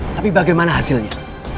tapi bagaimana hasilnya